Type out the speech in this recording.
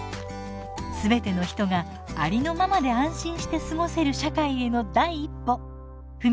全ての人がありのままで安心して過ごせる社会への第一歩踏み出してみませんか？